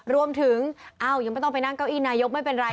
รวมถึงอ้าวยังไม่ต้องไปนั่งเก้าอี้นายกไม่เป็นไร